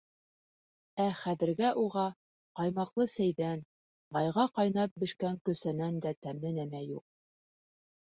Ә хәҙергә уға ҡаймаҡлы сәйҙән, майға ҡайнап бешкән кәлсәнән дә тәмле нәмә юҡ.